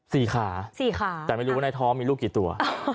สี่ขาแต่ไม่รู้ว่านายท้อมีลูกกี่ตัว